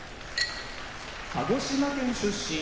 鹿児島県出身